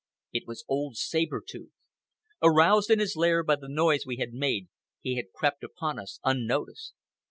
It was old Saber Tooth. Aroused in his lair by the noise we had made, he had crept upon us unnoticed.